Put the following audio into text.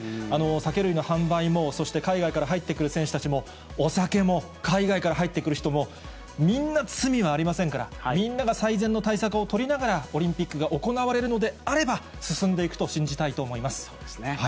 酒類の販売も、そして海外から入ってくる選手たちも、お酒も、海外から入ってくる人も、みんな罪はありませんから、みんなが最善の対策を取りながら、オリンピックが行われるのであれば、進んでいくと信じたいと思います。